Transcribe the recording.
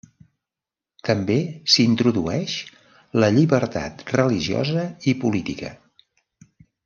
També s'hi introdueix la llibertat religiosa i política.